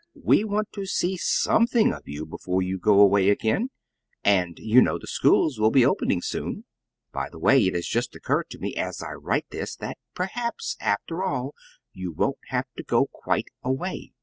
We want to see SOMETHING of you before you go away again, and you know the schools will be opening soon. "By the way, it has just occurred to me as I write that perhaps, after all, you won't have to go quite away.